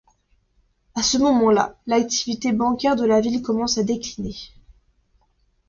À ce moment-là, l'activité bancaire de la ville commence à décliner.